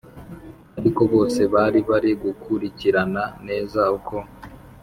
ariko bose bari bari gukurikirana neza uko